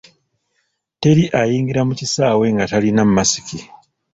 Teri ayingira mu kisaawe nga talina masiki.